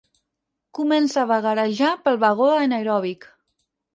Comença a vagarejar pel vagó anaeròbic.